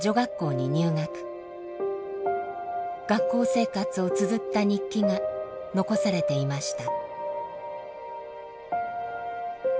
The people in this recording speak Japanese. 学校生活をつづった日記が残されていました。